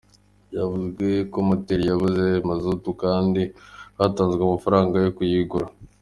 Byavuzwe ko moteri yabuze mazutu kandi hatanzwe amafaranga yo kuyigura.